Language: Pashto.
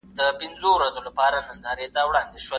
د ارغنداب سیند څخه برېښنا هم تولیدېدای سي.